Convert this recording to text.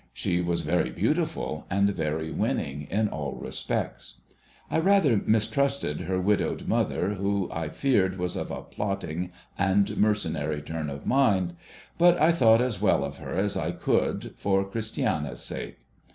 She was very beautiful, and very winning in all respects. I rather mistrusted her widowed mother, who I feared was of a plotting and mercenary turn of mind ; but, I thought as well of her as I could, for Christiana's sake.